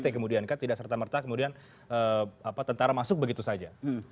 yang kemudian kan tidak serta merta kemudian tentara masuk begitu saja